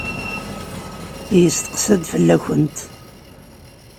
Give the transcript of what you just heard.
Yesteqsa-d fell-akent.